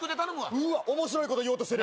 うわ、おもしろいこと言おうとしてる。